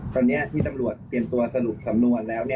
ตอนนี้ที่ตำรวจเตรียมตัวสรุปสำนวนแล้ว